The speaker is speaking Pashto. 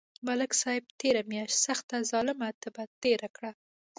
ملک صاحب تېره میاشت سخته ظلمه تبه تېره کړه.